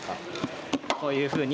こういうふうに。